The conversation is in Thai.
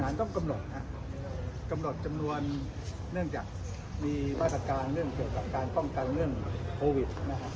ก็เป็นคณะกรรมการมหาต้องกำหนดจำนวนเนื่องจากมีบรรถการเกี่ยวกับการป้องกันเรื่องโควิด